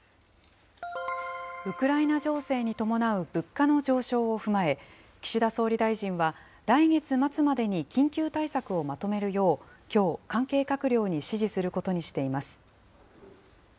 ウクライナ情勢に伴う物価の上昇を踏まえ、岸田総理大臣は、来月末までに緊急対策をまとめるよう、きょう、関係閣僚に指示することにしています。